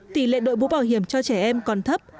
tỷ lệ đội mũ bảo hiểm cho trẻ em còn thấp